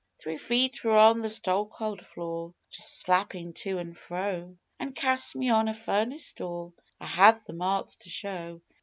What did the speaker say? Three feet were on the stokehold floor just slappin' to an' fro An' cast me on a furnace door. I have the marks to show.